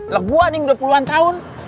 lu buah nih dua puluh an tahun